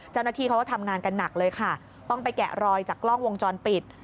เจ้าหน้าที่เขาก็ทำงานกันหนักเลยค่ะต้องไปแกะรอยจากกล้องวงจรปิด